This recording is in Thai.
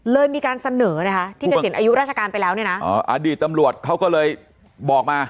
เลยมีการเสนอนะคะที่เกษียณอายุราชการไปแล้วเนี่ยนะอ๋ออดีตตำรวจเขาก็เลยบอกมา